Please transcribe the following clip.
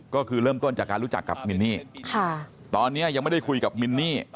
ก็คือเริ่มต้นจากการรู้จักกับมินนี่ตอนนี้ยังไม่ได้คุยกับมินนี่